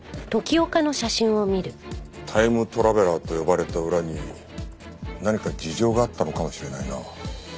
タイムトラベラーと呼ばれた裏に何か事情があったのかもしれないな。